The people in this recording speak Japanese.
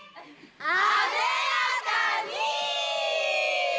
艶やかに！